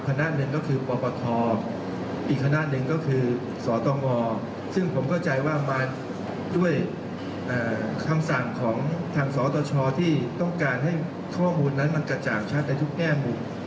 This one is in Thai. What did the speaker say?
คณะหนึ่งก็คือปปทอีกคณะหนึ่งก็คือสตงซึ่งผมเข้าใจว่ามาด้วยคำสั่งของทางสตชที่ต้องการให้ข้อมูลนั้นมันกระจ่างชัดในทุกแง่มุม